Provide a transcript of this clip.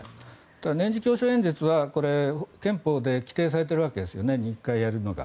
年次教書演説は憲法で規定されているわけですね２回やるのが。